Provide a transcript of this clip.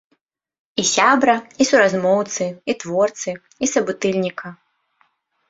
І сябра, і суразмоўцы, і творцы, і сабутыльніка.